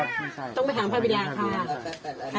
ต้องไปถามภาพวินาค่ะ